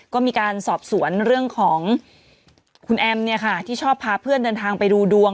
ก็มีสอบสวนเรื่องของคุณอัมที่ชอบพาเพื่อนเดินทางไปดูดวง